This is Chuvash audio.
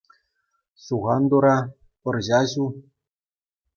Сухан тура, пӑрҫа ҫу.